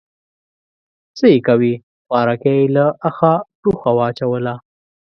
_څه يې کوې، خوارکی يې له اخه ټوخه واچوله.